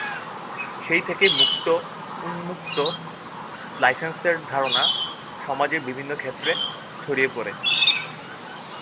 সেই থেকে মুক্ত/উন্মুক্ত লাইসেন্সের ধারণা সমাজের বিভিন্ন ক্ষেত্রে ছড়িয়ে পড়ে।